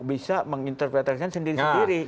bisa menginterpretasikan sendiri sendiri